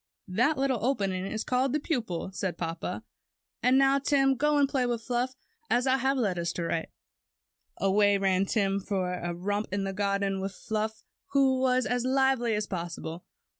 ^^That little opening is called a pupil," said papa. ''And now, Tim, go and play with Fluff, as I have letters to write." Away ran Tim for a romp in the garden with Fluff, who was as lively as possible.